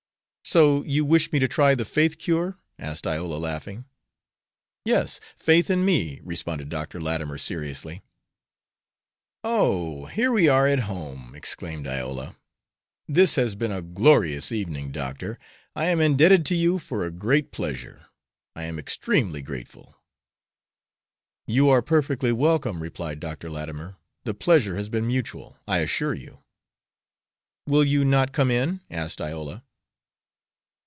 "So you wish me to try the faith cure?" asked Iola, laughing. "Yes, faith in me," responded Dr. Latimer, seriously. "Oh, here we are at home!" exclaimed Iola. "This has been a glorious evening, Doctor. I am indebted to you for a great pleasure. I am extremely grateful." "You are perfectly welcome," replied Dr. Latimer. "The pleasure has been mutual, I assure you." "Will you not come in?" asked Iola.